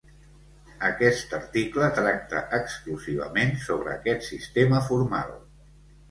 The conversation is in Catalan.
Aquest article tracta exclusivament sobre aquest sistema formal.